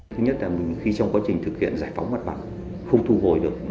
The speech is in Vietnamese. thứ nhất là khi trong quá trình thực hiện giải phóng mặt bằng không thu hồi được